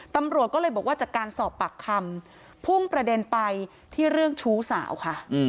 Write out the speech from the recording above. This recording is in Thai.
ตำรวจก็เลยบอกว่าจากการสอบปากคำพุ่งประเด็นไปที่เรื่องชู้สาวค่ะ